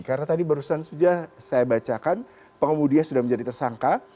karena tadi barusan sudah saya bacakan pengemudinya sudah menjadi tersangka